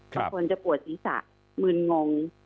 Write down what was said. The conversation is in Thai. บางคนจะปวดศีรษะมืนงง